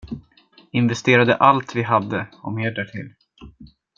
Investerade allt vi hade, och mer därtill.